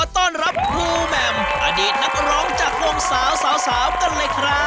ต้อนรับครูแหม่มอดีตนักร้องจากวงสาวสาวกันเลยครับ